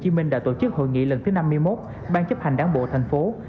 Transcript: thành ủy tp hcm đã tổ chức hội nghị lần thứ năm mươi một ban chấp hành đảng bộ tp hcm